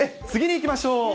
次に行きましょう。